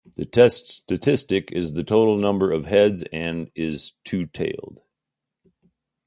The test statistic is the total number of heads and is two-tailed.